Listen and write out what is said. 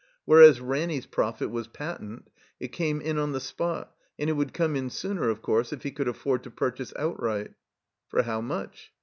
Whereas Ranny's profit was patent, it came in on the spot, and it would come in sooner, of course, if he could afford to ptu^chase outright. *'For how much?"